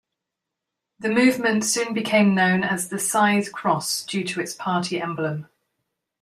The movement soon became known as the Scythe Cross due to its party emblem.